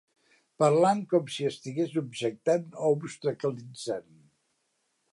Parlant com si estigués objectant o obstaculitzant!